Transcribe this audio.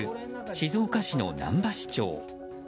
静岡市の難波市長。